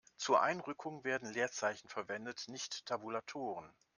Zur Einrückung werden Leerzeichen verwendet, nicht Tabulatoren.